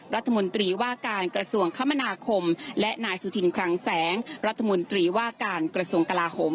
รัฐมนตรีว่าการกระทรวงคมนาคมและนายสุธินคลังแสงรัฐมนตรีว่าการกระทรวงกลาโหม